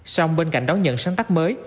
xong bên cạnh đó nhận sáng tác mới